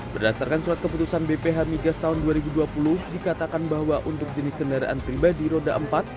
berdasarkan surat keputusan bph migas tahun dua ribu dua puluh dikatakan bahwa untuk jenis kendaraan pribadi roda empat